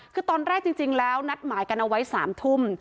คือตอนแรกจริงแล้วนัดหมายกันเอาไว้๓ทุ่ม